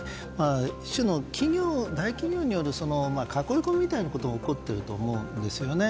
ある種、大企業による囲い込みみたいなことが起こっていると思うんですね。